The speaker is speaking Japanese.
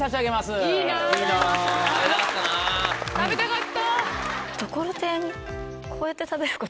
食べたかった。